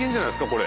これ。